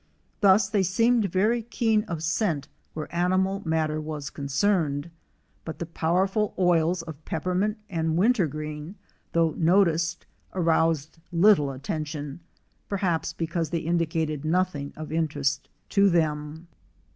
Thus they seemed very keen of scent where animal matter was concerned ; but the powerful oils of peppermint and wintergreen, although noticed, aroused little attention, perhaps because they indicated nothing of interest to them.